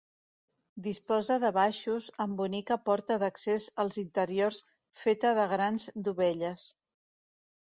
Disposa de baixos, amb bonica porta d'accés als interiors feta de grans dovelles.